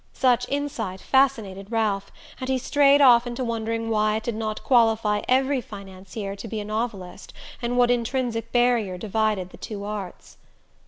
Such insight fascinated Ralph, and he strayed off into wondering why it did not qualify every financier to be a novelist, and what intrinsic barrier divided the two arts.